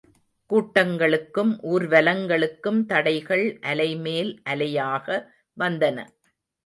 கூட்டங்களுக்கும் ஊர்வலங்களுக்கும் தடைகள், அலைமேல் அலையாக வந்தன.